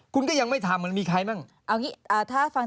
คุณก็ยังไม่ทำมันมีใครบ้าง